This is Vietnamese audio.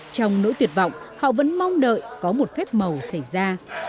trong nỗi tuyệt vọng họ vẫn mong đợi có một phép màu xảy ra